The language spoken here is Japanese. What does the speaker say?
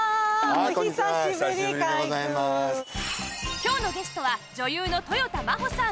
今日のゲストは女優のとよた真帆さん